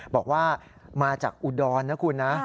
บอกว่ามาจากอุดรนะคุณนะ